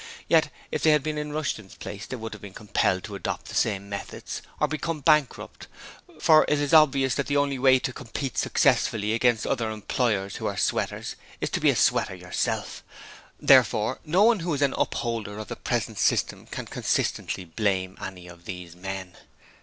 Yet if they had been in Rushton's place they would have been compelled to adopt the same methods, or become bankrupt: for it is obvious that the only way to compete successfully against other employers who are sweaters is to be a sweater yourself. Therefore no one who is an upholder of the present system can consistently blame any of these men.